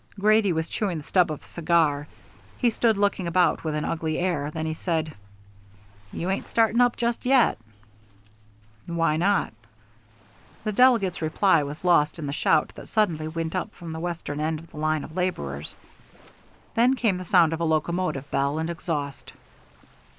Grady was chewing the stub of a cigar. He stood looking about with an ugly air, then he said: "You ain't starting up just yet." "Why not?" The delegate's reply was lost in the shout that suddenly went up from the western end of the line of laborers. Then came the sound of a locomotive bell and exhaust.